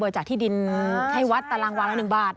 จากที่ดินให้วัดตารางวันละ๑บาท